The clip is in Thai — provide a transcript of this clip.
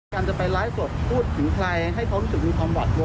การจะไปไลฟ์สดพูดถึงใครให้เขารู้สึกมีความหวัดกลัว